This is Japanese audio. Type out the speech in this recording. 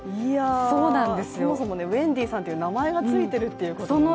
そもそもウェンディさんという名前がついているということもね。